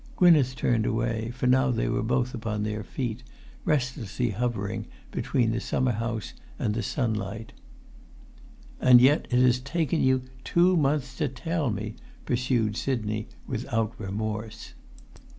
Gwynneth turned away, for now they were both upon their feet, restlessly hovering between the summer house and the sunlight. "And yet it has taken you two months to tell me," pursued Sidney without remorse.